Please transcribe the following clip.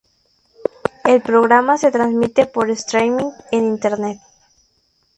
El programa se transmite por streaming en internet.